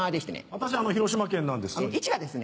私広島県なんです。